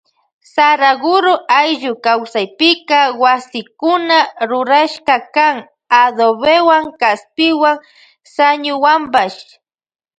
Saraguro ayllu kawsaypika wasikuna rurashka kan adobewan kaspiwan sañuwanpash.